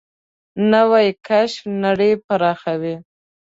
نوې کشف نړۍ پراخوي